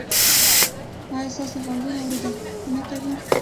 ایا ستاسو غوږونه اوریدل نه کوي؟